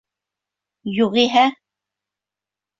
Юғиһә!..